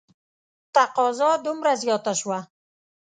تقاضا دومره زیاته شوه.